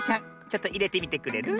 ちょっといれてみてくれる？